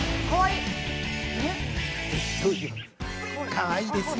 かわいいですよ